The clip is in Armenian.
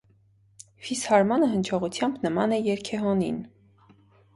Ֆիսհարմոնը հնչողությամբ նման է երգեհոնին։